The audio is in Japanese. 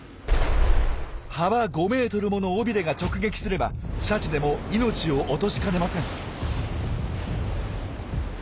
幅５ｍもの尾びれが直撃すればシャチでも命を落としかねません。